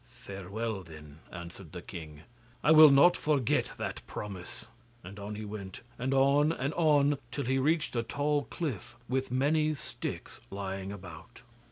'Farewell, then,' answered the king; 'I will not forget that promise,' and on he went, and on, and on, till he reached a tall cliff with many sticks lying about.